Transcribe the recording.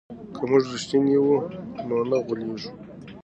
که موږ رښتیني وو نو نه غولېږو.